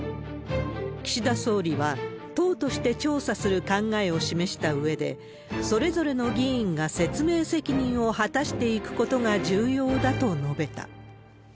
岸田総理は、党として調査する考えを示したうえで、それぞれの議員が説明責任を果たしていくことが重要だと述べた。